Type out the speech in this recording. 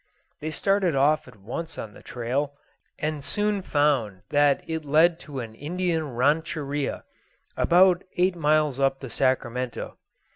They started off at once on the trail, and soon found that it led to an Indian rancheria, about eight miles up the Sacramento.